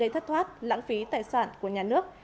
gây thất thoát lãng phí tài sản của nhà nước